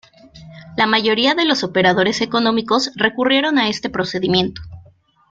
La mayoría de los operadores económicos recurrieron a este procedimiento.